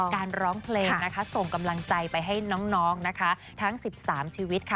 การร้องเพลงนะคะส่งกำลังใจไปให้น้องนะคะทั้ง๑๓ชีวิตค่ะ